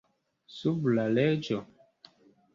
Sub la leĝo?